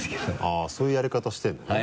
あそういうやり方してるのね。